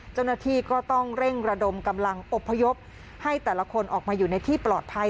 เจ้าหน้าที่ก็ต้องเร่งระดมกำลังอบพยพให้แต่ละคนออกมาอยู่ในที่ปลอดภัย